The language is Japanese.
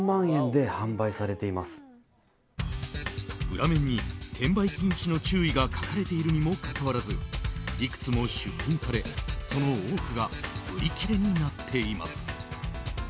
裏面に転売禁止の注意が書かれているにもかかわらずいくつも出品され、その多くが売り切れになっています。